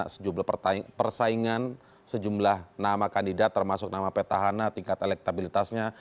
sejumlah persaingan sejumlah nama kandidat termasuk nama petahana tingkat elektabilitasnya